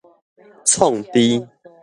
創治